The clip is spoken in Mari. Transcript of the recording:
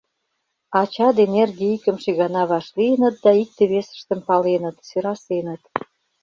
Ача ден эрге икымше гана вашлийыныт да икте-весыштым паленыт, сӧрасеныт.